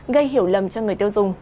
gây hiểu lầm cho người tiêu dùng